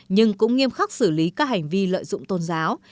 nhưng cũng nghiêm khắc xử lý các hành vi lợi dụng tôn giáo